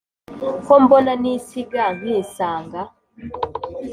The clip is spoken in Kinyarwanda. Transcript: ko mbona nisiga nkisanga